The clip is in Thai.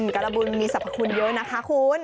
การบุญมีสรรพคุณเยอะนะคะคุณ